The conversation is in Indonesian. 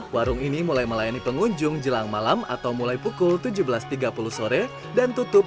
warung ini mulai melayani pengunjung jelang malam atau mulai pukul tujuh belas tiga puluh sore dan tutup